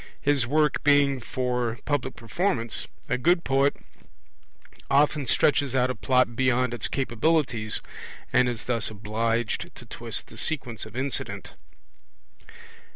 His work being for public performance, a good poet often stretches out a Plot beyond its capabilities, and is thus obliged to twist the sequence of incident.